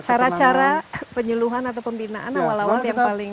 cara cara penyeluhan atau pembinaan awal awal yang paling